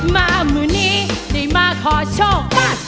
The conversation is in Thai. มามือนี้ได้มาขอโชค